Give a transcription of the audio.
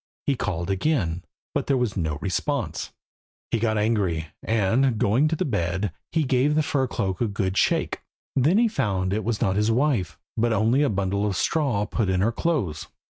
He called again, but there was no response. He got angry, and, going to the bed, he gave the fur cloak a good shake. Then he found that it was not his wife, but only a bundle of straw put in her clothes.